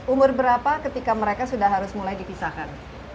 umur berapa ketika mereka sudah harus mulai dipisahkan